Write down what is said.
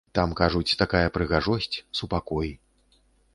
Там, кажуць, такая прыгажосць, супакой.